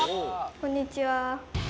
こんにちは。